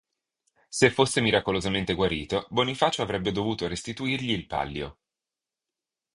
Se fosse miracolosamente guarito, Bonifacio avrebbe dovuto restituirgli il pallio.